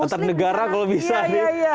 antar negara kalau bisa nih